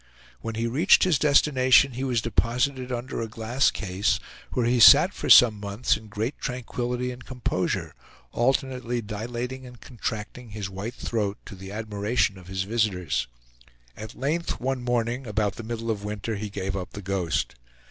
When he reached his destination he was deposited under a glass case, where he sat for some months in great tranquillity and composure, alternately dilating and contracting his white throat to the admiration of his visitors. At length, one morning, about the middle of winter, he gave up the ghost.